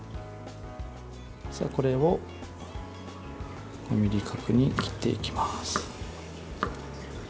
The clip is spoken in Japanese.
これを５ｍｍ角に切っていきます。